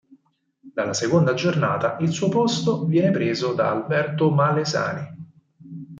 Dalla seconda giornata il suo posto viene preso da Alberto Malesani.